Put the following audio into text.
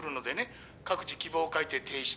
各自希望を書いて提出すること。